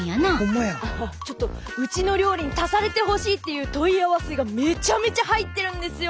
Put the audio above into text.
ちょっとうちの料理に足されてほしいっていう問い合わせがめちゃめちゃ入ってるんですよ。